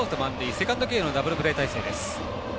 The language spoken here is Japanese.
セカンド経由のダブルプレー態勢です。